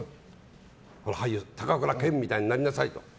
俳優・高倉健みたいになりなさいと。